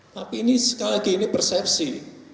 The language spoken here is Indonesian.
tapi ini sekali lagi ini persepsi